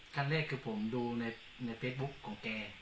ขั้นแรกคือผมดูในเฟซบุ๊คของแก